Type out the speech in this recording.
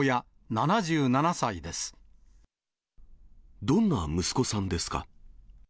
７７歳でどんな息子さんですか。